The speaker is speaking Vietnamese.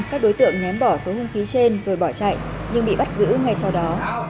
các đối tượng nhém bỏ số hương khí trên rồi bỏ chạy nhưng bị bắt giữ ngay sau đó